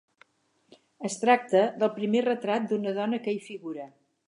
Es tracta del primer retrat d'una dona que hi figura.